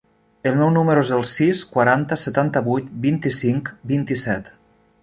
El meu número es el sis, quaranta, setanta-vuit, vint-i-cinc, vint-i-set.